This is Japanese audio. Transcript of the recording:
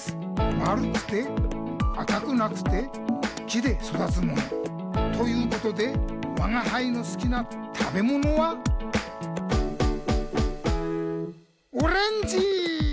まるくてあかくなくてきでそだつもの。ということでわがはいのすきなたべものはオレンジ！